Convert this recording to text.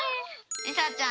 りさちゃん？